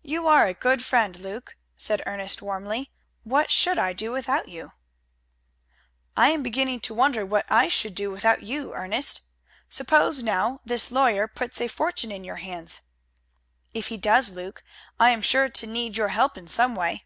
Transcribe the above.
"You are a good friend, Luke," said Ernest warmly. "What should I do without you?" "I am beginning to wonder what I should do without you, Ernest. Suppose, now, this lawyer puts a fortune in your hands?" "If he does, Luke, I am sure to need your help in some way."